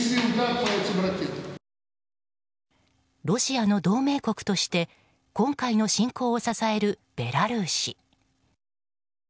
ロシアの同盟国として今回の侵攻を支えるベラルーシ。